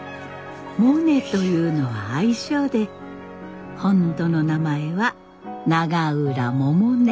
モネというのは愛称で本当の名前は永浦百音。